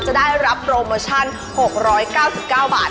จะได้รับโปรโมชั่น๖๙๙บาท